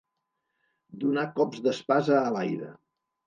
Donar cops d'espasa a l'aire.